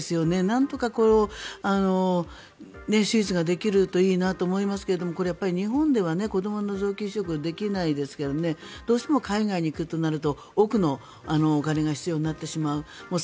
なんとか手術ができるといいなと思いますけどこれやっぱり、日本では子どもの臓器移植ができないですがどうしても海外に行くとなると億のお金が必要になってしまう。